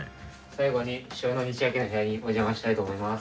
最後に主将の西脇の部屋にお邪魔したいと思います。